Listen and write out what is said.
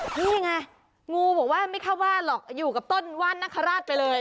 นี่ไงงูบอกว่าไม่เข้าบ้านหรอกอยู่กับต้นว่านนคราชไปเลย